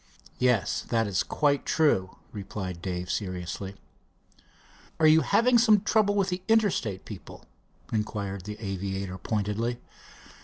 "Yes, that is quite true," replied Dave seriously. "Are you having some trouble with the Interstate people?" inquired the aviator pointedly.